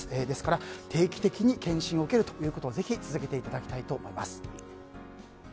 ですから、定期的に検診を受けるということをぜひ続けていただきたいと思います。